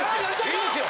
いいですよ！